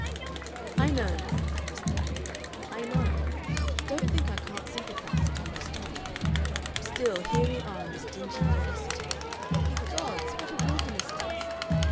"I know," said Mr. Manning, "I know. Don't think I can't sympathize and understand. Still, here we are in this dingy, foggy city. Ye gods! what a wilderness it is!